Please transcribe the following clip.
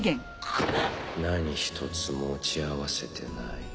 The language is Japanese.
何一つ持ち合わせてない。